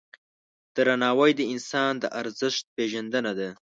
درناوی د انسان د ارزښت پیژندنه ده.